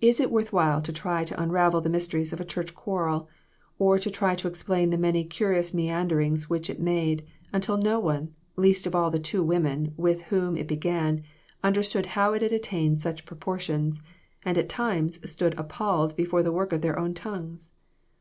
Is it worth while to try to unravel the mys teries of a church quarrel or to try to explain the many curious meanderings which it made, until no one, least of all the two women with whom it began, understood how it had attained such pro portions, and at times, stood appalled before the work of their own tongues